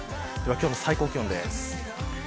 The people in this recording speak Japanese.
今日の最高気温です。